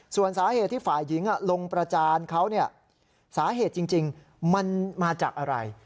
ส่วนสาเหตุที่ฝ่ายหญิงลงประจานเขาสาเหตุจริงมันมาจากอะไร